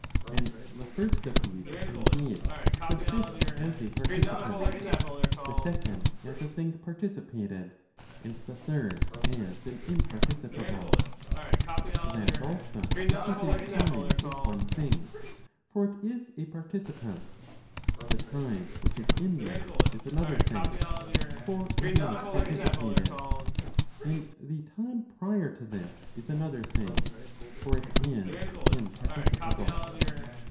And the first of these indeed subsists as a participant, the second as a thing participated, and the third as an imparti¬ cipate. That also which is in time is one thing; for it is a participant. The time which is in this is another thing; for it is participated. And the time prior to this is another thing; for it is imparticipable.